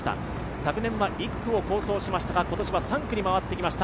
昨年は１区を好走しましたが、今年は３区にきました。